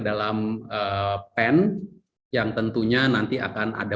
dalam pen yang tentunya nanti akan ada